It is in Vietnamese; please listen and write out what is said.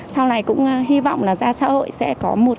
sau này cũng hy vọng là ra xã hội sẽ có một